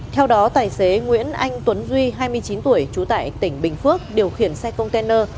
theo đó tài xế nguyễn anh tuấn duy hai mươi chín tuổi trú tại tỉnh bình phước điều khiển xe container